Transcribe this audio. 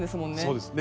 そうです。